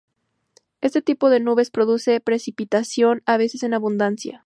Este tipo de nubes produce precipitación, a veces en abundancia.